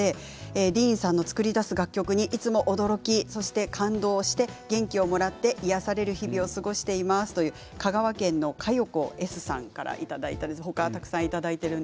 ディーンさんの作り出す楽曲にいつも驚いて感動して元気をもらって癒やされる日々を過ごしていますと香川県の方からいただきました。